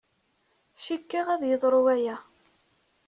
Cikkeɣ ad yeḍru waya.